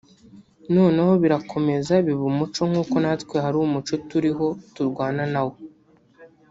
noneho birakomeza biba umuco nk’uko natwe hari umuco turiho turwana nawo…